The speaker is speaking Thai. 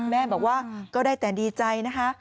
แม่บอกว่าก็ได้แต่ดีใจนะคะ